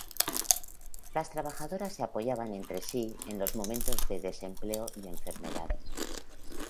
Las trabajadoras se apoyaban entre sí en los momentos de desempleo y enfermedades.